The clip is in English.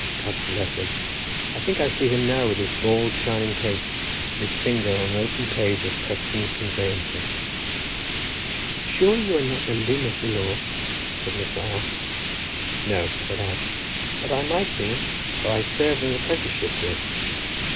God bless him! I think I see him now, with his bald, shining pate, and his finger on an open page of Preston's Conveyancing." "Sure you are not a limb of the law?" said Mr. R—. "No," said I, "but I might be, for I served an apprenticeship to it."